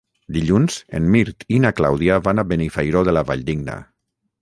Dilluns en Mirt i na Clàudia van a Benifairó de la Valldigna.